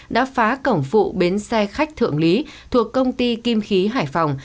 đã phá cổng phụ bến xe khách thượng lý thuộc công ty kim khí hải phòng